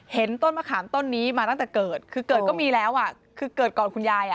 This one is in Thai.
ต้นมะขามต้นนี้มาตั้งแต่เกิดคือเกิดก็มีแล้วอ่ะคือเกิดก่อนคุณยายอ่ะ